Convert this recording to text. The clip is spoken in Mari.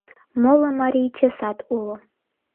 Моло марий чесат уло.